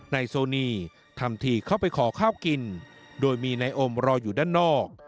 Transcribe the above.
นายโซนีทำทีเข้าไปขอข้าวกินโดยมีนายอมรออยู่ด้านนอก